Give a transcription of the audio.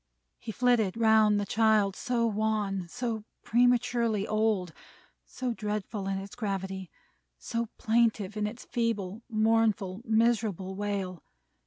He flitted round the child: so wan, so prematurely old, so dreadful in its gravity, so plaintive in its feeble, mournful, miserable wail.